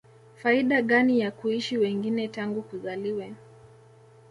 faida gani ya kuishi wengine tangu kuzaliwe